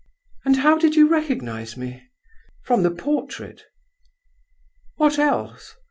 "And how did you recognize me?" "From the portrait!" "What else?"